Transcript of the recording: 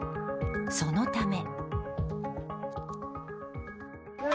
そのため。